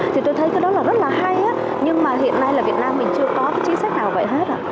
thì tôi thấy cái đó nó rất là hay nhưng mà hiện nay là việt nam mình chưa có cái chính sách nào vậy hết ạ